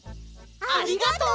ありがとう！